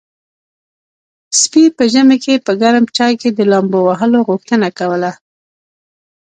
سپي په ژمي کې په ګرم چای کې د لامبو وهلو غوښتنه کوله.